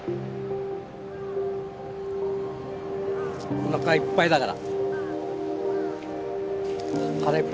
おなかがいっぱいだから。